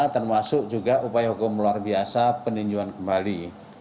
termasuk juga upaya hukum luar biasa peninjuan kembali